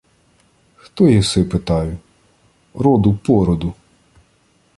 — Хто єси, питаю. Роду-породу.